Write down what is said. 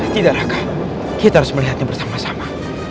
tidak raga kita harus melihatnya bersama sama